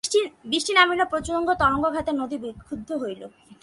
বৃষ্টি নামিল, প্রচণ্ড তরঙ্গাঘাতে নদী বিক্ষুব্ধ হইল।